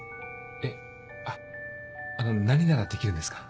えっあの何ならできるんですか？